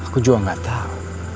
aku juga gak tau